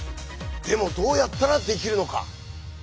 でもどうやったらできるのか。